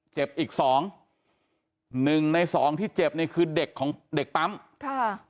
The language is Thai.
เจ็บอีกสองหนึ่งในสองที่เจ็บเนี่ยคือเด็กของเด็กปั๊มค่ะ